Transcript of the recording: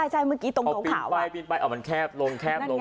ใช่เมื่อกี้ตรงโถ่เขาเอาปีนไปเอามันแคบลงแคบลง